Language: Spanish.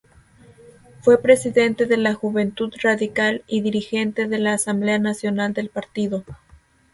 Fue presidente de la Juventud Radical y dirigente de la Asamblea Nacional del partido.